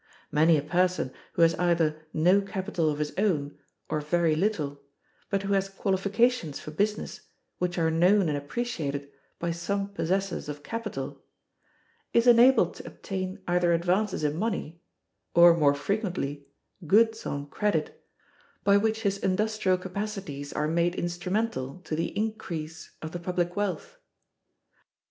Many a person who has either no capital of his own, or very little, but who has qualifications for business which are known and appreciated by some possessors of capital, is enabled to obtain either advances in money, or, more frequently, goods on credit, by which his industrial capacities are made instrumental to the increase of the public wealth.